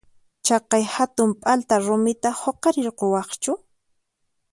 Chaqay hatun p'alta rumita huqarirquwaqchu?